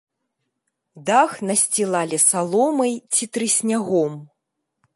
Дах насцілалі саломай ці трыснягом.